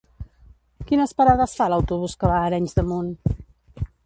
Quines parades fa l'autobús que va a Arenys de Munt?